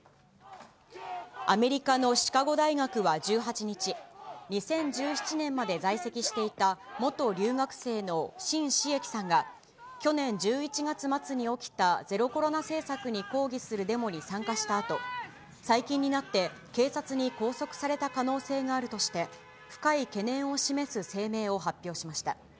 アメリカのシカゴ大学は１８日、２０１７年まで在籍していた元留学生のしんしえきさんが去年１１月末に起きたゼロコロナ政策に抗議するデモに参加したあと、最近になって、警察に拘束された可能性があるとして、深い懸念を示す声明を発表しました。